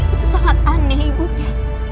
itu sangat aneh ibunda